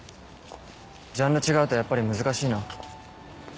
ジャンル違うとやっぱり難しいな。